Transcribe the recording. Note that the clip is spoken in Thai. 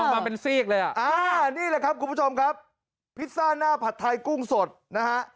อ่านี่แหละครับคุณผู้ชมครับพิซซ่าหน้าผัดไทยกุ้งสดนะฮะ